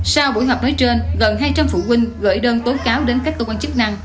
sau buổi họp nói trên gần hai trăm linh phụ huynh gửi đơn tố cáo đến các cơ quan chức năng